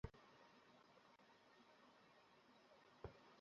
কারণ স্বাভাবিক মূল্য সংশোধন হলে একসঙ্গে অধিকাংশ শেয়ারের দাম কমতে পারে না।